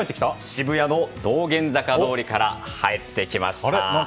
渋谷の道玄坂通から帰ってきました。